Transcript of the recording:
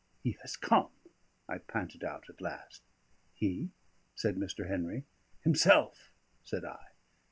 "He has come," I panted out at last. "He?" said Mr. Henry. "Himself," said I.